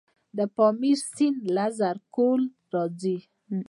د پامیر سیند له زرکول راځي